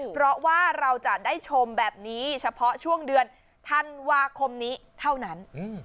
เพราะว่าเราจะได้ชมแบบนี้เฉพาะช่วงเดือนธันวาคมนี้เท่านั้น